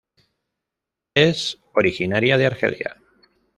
Es originaria de Argelia.